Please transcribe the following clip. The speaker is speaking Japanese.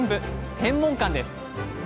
天文館です。